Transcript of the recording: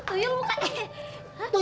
tuh gue gak tau